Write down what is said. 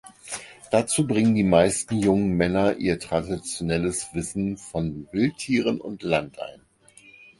Dazu bringen die meist jungen Männer ihr traditionelles Wissen von Wildtieren und Land ein.